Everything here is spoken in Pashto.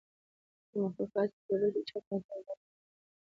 په مخلوقاتو کي به بل هېچا ته داسي عذاب ورنکړم